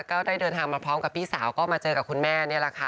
ก็ได้เดินทางมาพร้อมกับพี่สาวก็มาเจอกับคุณแม่นี่แหละค่ะ